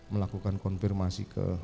melakukan konfirmasi ke